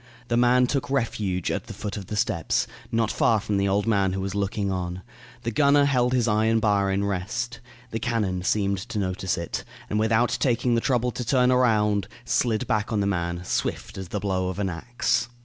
The man took refuge at the foot of the steps, not far from the old man who was looking on. The gunner held his iron bar in rest. The cannon seemed to notice it, and without taking the trouble to turn around, slid back on the man, swift as the blow of an axe.